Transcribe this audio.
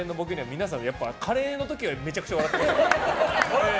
皆さん、カレーの時はめちゃくちゃ笑ってましたから。